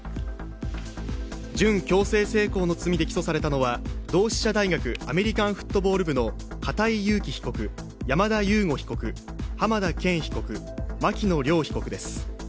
準強制性交の罪で起訴されたのは、同志社大学アメリカンフットボール部の片井裕貴被告、山田悠護被告、濱田健被告、牧野稜被告です。